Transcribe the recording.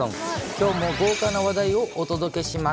きょうも豪華な話題をお届けします。